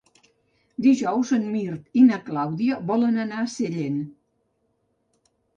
Dijous en Mirt i na Clàudia volen anar a Sellent.